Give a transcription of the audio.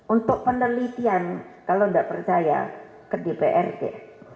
untuk penelitian kalau gak percaya ke dpr deh